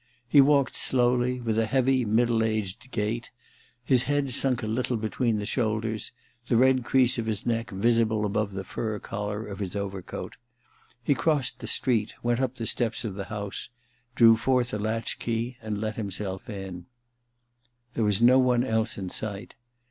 He walked slowly, with a heavy middle aged gait, his head simk a little between the shoulders, the red crease of his neck visible above the fur collar of his overcoat. He crossed the street, went up the steps of the house, drew forth a latch key, and let himself in. ... There was no one else in sight.